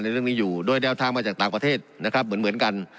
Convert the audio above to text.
เรื่องนี้อยู่โดยแนวทางมาจากต่างประเทศนะครับเหมือนกัน